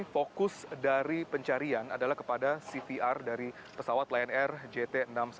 fokus dari pencarian adalah kepada cvr dari pesawat lion air jt enam ratus sepuluh